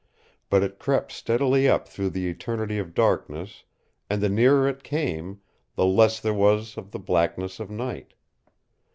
But it crept steadily up through the eternity of darkness, and the nearer it came, the less there was of the blackness of night.